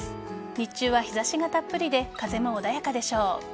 日中は日差しがたっぷりで風も穏やかでしょう。